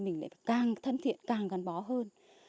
mình lại càng thân thiện càng gắn bó hơn